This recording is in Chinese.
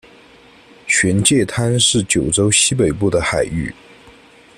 玄界滩是九州西北部的海域。